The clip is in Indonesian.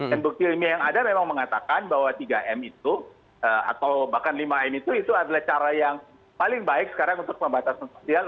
dan bukti ilmiah yang ada memang mengatakan bahwa tiga m itu atau bahkan lima m itu adalah cara yang paling baik sekarang untuk membatas sosial